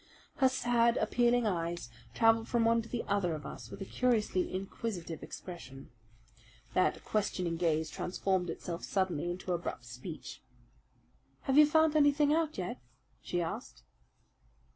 Her sad, appealing eyes travelled from one to the other of us with a curiously inquisitive expression. That questioning gaze transformed itself suddenly into abrupt speech. "Have you found anything out yet?" she asked.